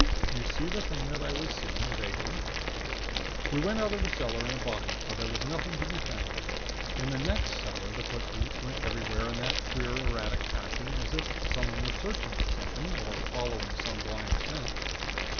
Do you see the thing that I was seeing vaguely? "We went out of the cellar in a body, for there was nothing to be found. In the next cellar, the footprints went everywhere in that queer erratic fashion, as of someone searching for something, or following some blind scent.